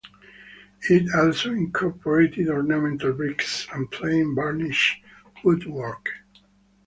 It also incorporated ornamental bricks and plain varnished woodwork.